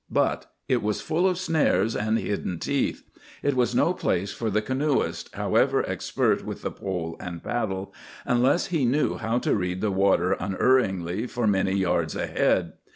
But it was full of snares and hidden teeth. It was no place for the canoeist, however expert with pole and paddle, unless he knew how to read the water unerringly for many yards ahead.